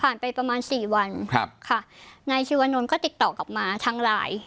ไปประมาณสี่วันครับค่ะนายชีวนนท์ก็ติดต่อกลับมาทางไลน์